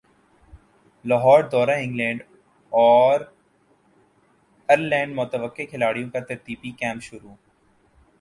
لاہوردورہ England اور ئرلینڈمتوقع کھلاڑیوں کا تربیتی کیمپ شروع